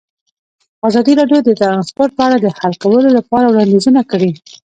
ازادي راډیو د ترانسپورټ په اړه د حل کولو لپاره وړاندیزونه کړي.